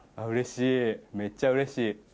うれしいめっちゃうれしい。